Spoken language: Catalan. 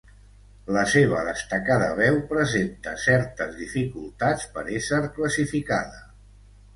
La seva destacada veu presenta certes dificultats per ésser classificada.